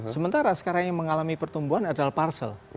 sementara sekarang yang mengalami pertumbuhan adalah parcel